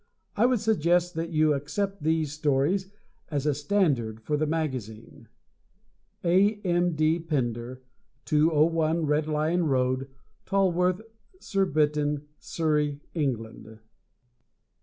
I would suggest that you accept these stories as a standard for the magazine. A. M. D. Pender, 201, Red Lion Road, Tolworth, Surbiton, Surrey, England.